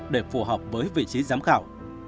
để phù hợp với vị trí giám khảo